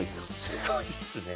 すごいっすね。